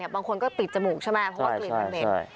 บางคนก็ปิดจมูกใช่ไหมเพราะคลิ่นมันเม็ดเนี่ยแล้วใช่